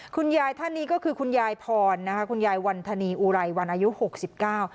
คุณยายท่านนี้ก็คือคุณยายพรนะคะคุณยายวันธนีอุไรวันอายุหกสิบเก้า